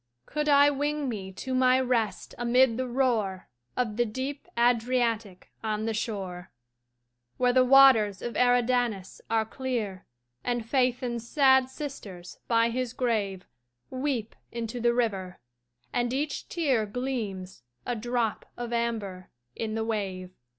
Could I wing me to my rest amid the roar Of the deep Adriatic on the shore, Where the waters of Eridanus are clear, And Phaëthon's sad sisters by his grave Weep into the river, and each tear Gleams, a drop of amber, in the wave.